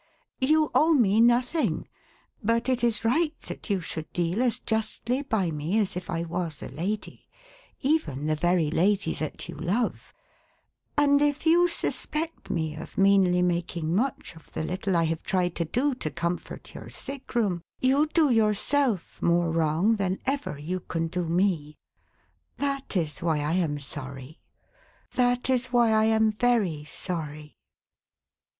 You owe me nothing; but it is right that you should deal as justly by me as if I was a lady — even the very lady that you love; and if you suspect me of meanly making much of the little I have tried to do to comfort your sick room, you do yourself more wrong than ever you can do me. That is why I am sorry. That is why I am very sorry.